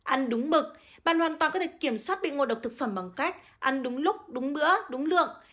ăn đúng mực bà hoàn toàn có thể kiểm soát bị ngộ độc thực phẩm bằng cách ăn đúng lúc đúng bữa đúng lượng